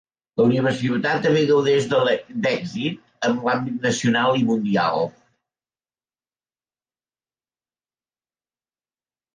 La universitat també gaudeix d'èxit en l'àmbit nacional i mundial.